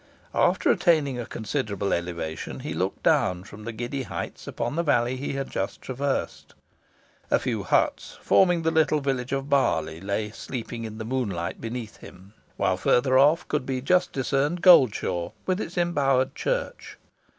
After attaining a considerable elevation, he looked down from the giddy heights upon the valley he had just traversed. A few huts, forming the little village of Barley, lay sleeping in the moonlight beneath him, while further off could be just discerned Goldshaw, with its embowered church.